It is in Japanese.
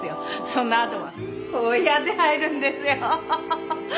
そのあとはこうやって入るんですよ。